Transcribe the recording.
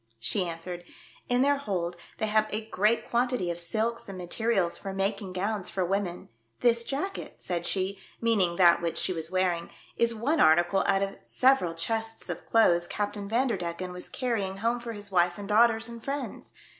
She answered, "In their hold they have a great quantity of silks and materials for making gowns for women. This jacket," said she, meaning that which she was wear ing, "is one article out of several chests of clothes Captain Vanderdecken was carrying home for his wife and daughters and friends.